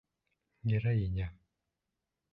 Героиня.